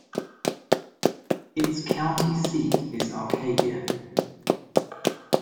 Its county seat is Arcadia.